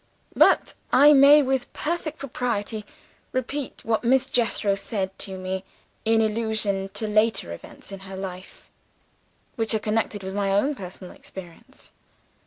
"But I may with perfect propriety repeat what Miss Jethro said to me, in allusion to later events in her life which are connected with my own personal experience.